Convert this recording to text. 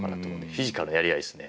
フィジカルのやり合いですね